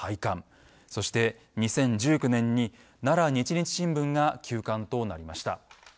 そして２０１９年に奈良日日新聞が休刊となりました。